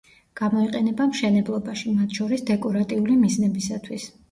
გამოიყენება მშენებლობაში, მათ შორის დეკორატიული მიზნებისათვის.